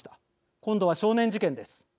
今度は少年事件です。